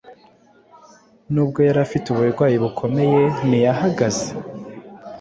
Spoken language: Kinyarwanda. nubwo yari afite uburwayi bukomeye ntiyahagaze